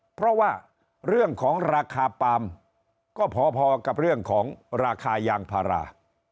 เพราะว่าเรื่องของราคาปาล์มก็พอกับเรื่องของราคายางพารา